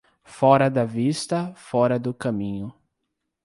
Fora da vista, fora do caminho.